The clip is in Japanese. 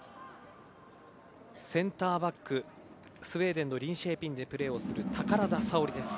センターバック、スウェーデンのリンシェーピンでプレーをする宝田沙織です。